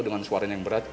dengan suaranya yang berat